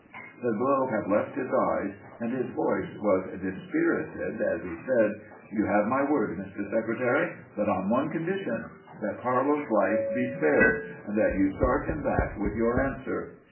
The glow had left his eyes and his voice was dispirited, as he said: "You have my word, Mr. Secretary, but on one condition: that Carlos' life be spared, and that you start him back with your answer.